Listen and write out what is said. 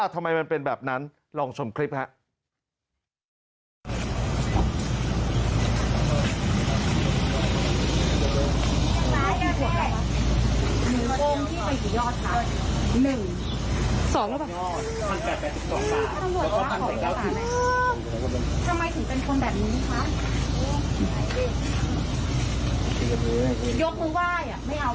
ทำไมมันเป็นแบบนั้นลองชมคลิปครับ